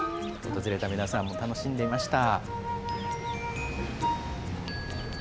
訪れた皆さんも楽しんでいました。